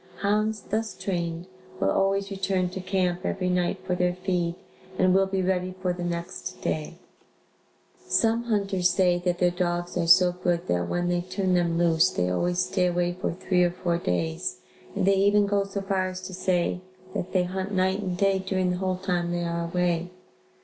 Hounds thus trained, will always return to camp every night for their feed and will be ready for the next day. [Illustration: Well Trained Hounds.] Some hunters say that their dogs are so good that when they turn them loose, they always stay away for three or four days and they even go so far as to say, that they hunt night and day during the whole time they are away.